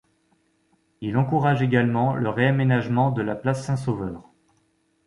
Il encourage également le réaménagement de la place Saint-Sauveur.